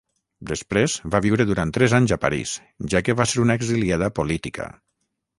Després va viure durant tres anys a París, ja que va ser una exiliada política.